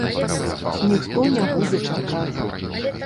Ніхто не будзе чакаць.